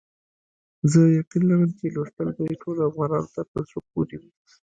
زه یقین لرم چې لوستل به یې ټولو افغانانو ته په زړه پوري وي.